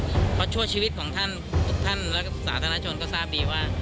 เพราะชั่วชีวิตของท่านทุกท่านและสถานชนก็ทราบดีว่า